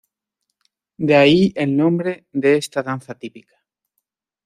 De ahí el nombre de esta danza típica.